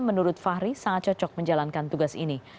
menurut fahri sangat cocok menjalankan tugas ini